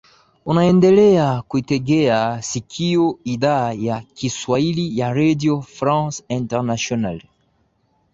unaendelea kuitegea sikio idhaa ya kiswahili ya redio france internationale